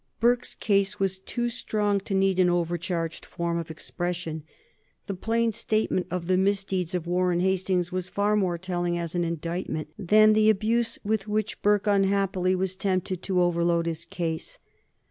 Burke's case was too strong to need an over charged form of expression. The plain statement of the misdeeds of Warren Hastings was far more telling as an indictment than the abuse with which Burke unhappily was tempted to overload his case.